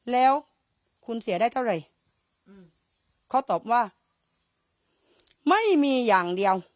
แล้วคุณเสียได้เท่าไหร่เขาตอบว่าไม่มีอย่างเดียว